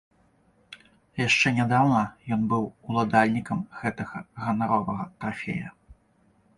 Яшчэ нядаўна ён быў уладальнікам гэтага ганаровага трафея.